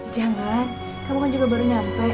jangan kamu kan juga baru nyampe